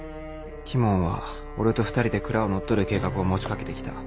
鬼門は俺と２人で蔵を乗っ取る計画を持ち掛けて来た。